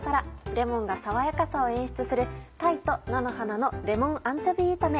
レモンが爽やかさを演出する「鯛と菜の花のレモンアンチョビー炒め」。